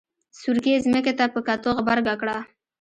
سورکي ځمکې ته په کتو غبرګه کړه.